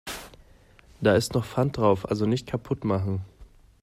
Da ist noch Pfand drauf, also nicht kaputt machen.